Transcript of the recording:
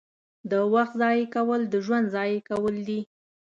• د وخت ضایع کول د ژوند ضایع کول دي.